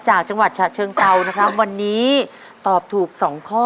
จากจังหวัดฉะเชิงเซานะครับวันนี้ตอบถูกสองข้อ